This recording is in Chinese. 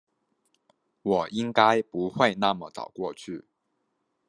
我应该不会那么早过去